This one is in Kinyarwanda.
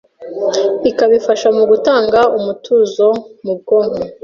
ikaba ifasha mu gutanga umutuzo mu bwonko.